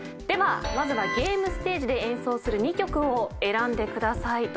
ではまずはゲームステージで演奏する２曲を選んでください。